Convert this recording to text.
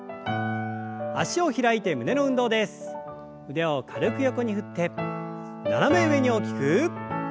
腕を軽く横に振って斜め上に大きく。